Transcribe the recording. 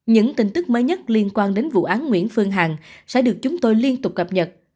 những tin tức mới nhất liên quan đến vụ án nguyễn phương hằng sẽ được chúng tôi liên tục cập nhật